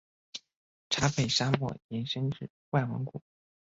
察北沙漠延伸至外蒙古。